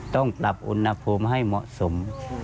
ต้องปรับอุณหภูมิให้เหมาะสม